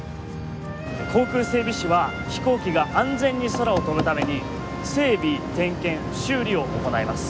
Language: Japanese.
航空整備士は飛行機が安全に空を飛ぶために整備点検修理を行います。